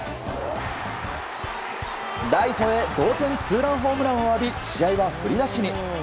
ライトへ同点ツーランホームランを浴び試合は振り出しに。